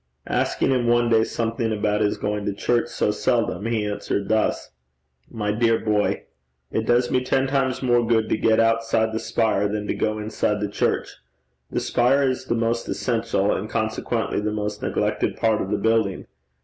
Asking him one day something about his going to church so seldom, he answered thus: 'My dear boy, it does me ten times more good to get outside the spire than to go inside the church. The spire is the most essential, and consequently the most neglected part of the building.